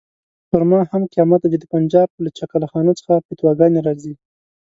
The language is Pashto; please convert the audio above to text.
پر ما هم قیامت دی چې د پنجاب له چکله خانو څخه فتواګانې راځي.